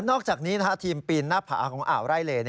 นอกจากนี้นะครับทีมปีนหน้าผ่าของอาวไล่เลย์